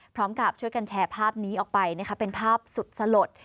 พร้อมกับช่วยกันแชร์ภาพนี้ออกไปนะคะเป็นภาพสุดสลด